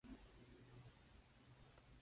Es la sal específica cloruro de sodio.